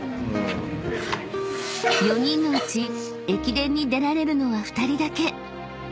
［４人のうち駅伝に出られるのは２人だけ］